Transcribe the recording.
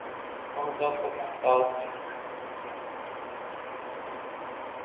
عہدہ پر ممتاز تھے